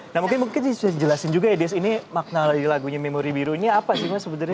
nah mungkin bisa dijelasin juga ya dies ini makna lagi lagunya memori biru ini apa sih mas sebenarnya